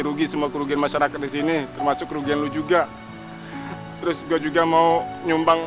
rugi semua kerugian masyarakat di sini termasuk kerugian lu juga terus gue juga mau nyumbang